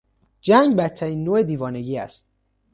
جنگ بدترین نوع دیوانگی است.